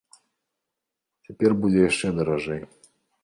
Цяпер будзе яшчэ даражэй.